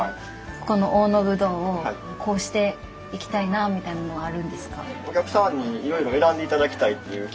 この大野ぶどうをこうしていきたいなみたいなのはあるんですか？